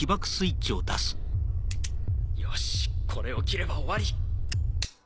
よしこれを切れば終わり。